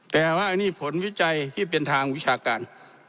แต่ว่านี่ผลวิจัยที่เป็นทางวิชาการ